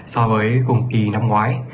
hai so với cùng kỳ năm ngoái